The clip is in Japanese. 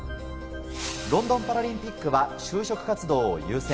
ロンドンパラリンピックは就職活動を優先。